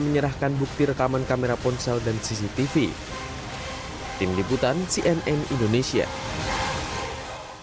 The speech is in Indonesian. pemilik rumah minggu ini juga sudah dilaporkan ke biaya kesehatan